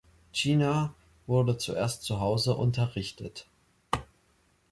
Jinnah wurde zuerst zu Hause unterrichtet.